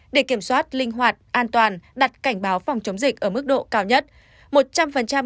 để kiểm soát linh hoạt an toàn đặt cảnh báo phòng chống dịch ở mức độ cao nhất